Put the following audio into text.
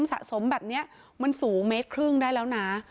สะสมแบบนี้มันสูงเมตรครึ่งได้แล้วนะ